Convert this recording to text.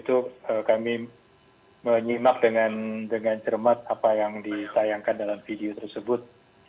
itu kami menyimak dengan cermat apa yang ditayangkan dalam video tersebut